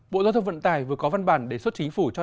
bộ giáo thông vận tải vừa có văn bản đề xuất chính phủ cho đảng